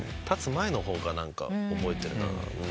立つ前の方が何か覚えてるな。